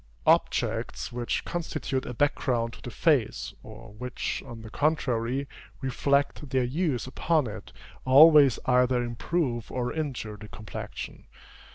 Objects which constitute a background to the face, or which, on the contrary, reflect their hues upon it, always either improve or injure the complexion.